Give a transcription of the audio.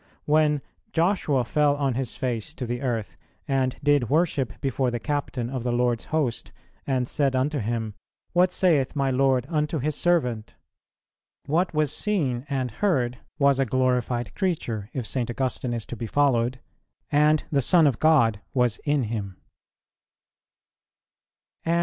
When "Joshua fell on his face to the earth and did worship before the captain of the Lord's host, and said unto him, What saith my Lord unto his servant?" what was seen and heard was a glorified creature, if St. Augustine is to be followed; and the Son of God was in him.